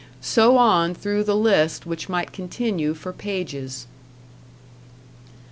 So on through the list which might continue for pages.